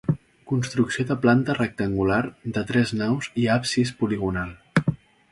Construcció de planta rectangular de tres naus i absis poligonal.